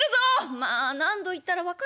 「まあ何度言ったら分かるんです。